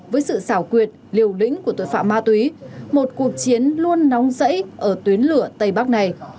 với sự xảo quyệt liều lĩnh của tội phạm ma túy một cuộc chiến luôn nóng rẫy ở tuyến lửa tây bắc này